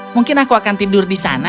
mungkin aku akan tidur di sana